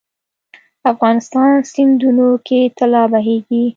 افغانستان سیندونو کې طلا بهیږي